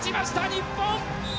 日本！